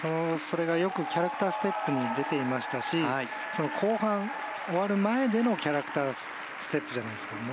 それがよくキャラクターステップに出ていましたし後半終わる前でのキャラクターステップじゃないですか。